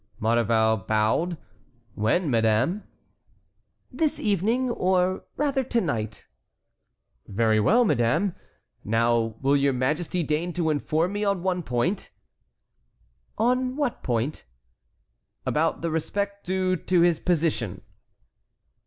Maurevel bowed. "When, madame?" "This evening, or rather to night." "Very well, madame. Now, will your majesty deign to inform me on one point?" "On what point?" "About the respect due to his position."